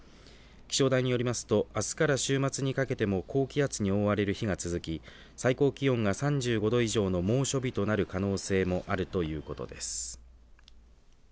気象台によりますとあすから週末にかけても高気圧に覆われる日が続き最高気温が３５度以上の猛暑日となる可能性もあるということです。